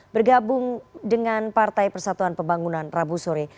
bergabung dengan partai persatuan pembangunan rabu sore